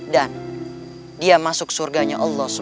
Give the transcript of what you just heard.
dan dia masuk surganya allah swt